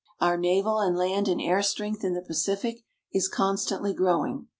Our naval and land and air strength in the Pacific is constantly growing.